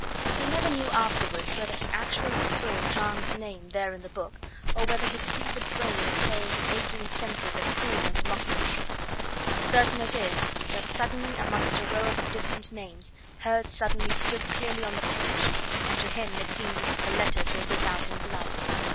He never knew afterwards whether he actually saw Jeanne's name there in the book, or whether his fevered brain was playing his aching senses a cruel and mocking trick. Certain it is that suddenly amongst a row of indifferent names hers suddenly stood clearly on the page, and to him it seemed as if the letters were writ out in blood.